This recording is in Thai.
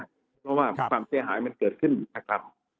เพราะว่าความเสียหายมันเกิดขึ้นนะครับ